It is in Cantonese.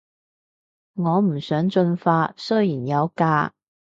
我唔想進化，雖然有假